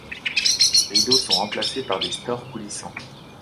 Les rideaux sont remplacés par des stores coulissants.